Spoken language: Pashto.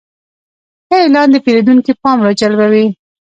ښه اعلان د پیرودونکي پام راجلبوي.